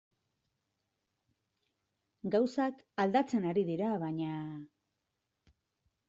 Gauzak aldatzen ari dira, baina...